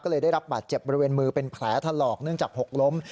ก็เลยได้รับบาดเจ็บบริเวณมือเป็นแผลถลอกเนื่องจากหกล้ม